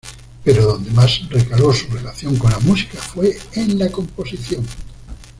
Pero donde más recaló su relación con la música fue en la composición.